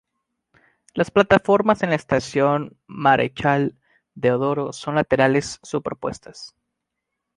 Las plataformas de la Estación Marechal Deodoro son laterales superpuestas.